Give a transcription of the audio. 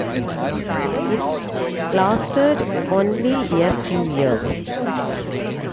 It lasted only a few years.